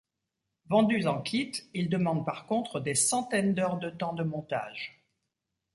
Vendus en kit, ils demandent par contre des centaines d'heures de temps de montage.